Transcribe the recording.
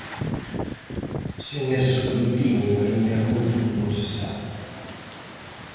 Sen ese escrutinio aínda é moito o que non se sabe.